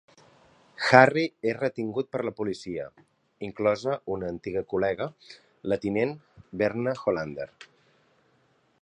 Harry és retingut per la policia, inclosa una antiga col·lega, la tinent Verna Hollander.